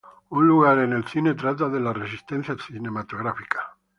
Un lugar en el cine trata de la resistencia cinematográfica.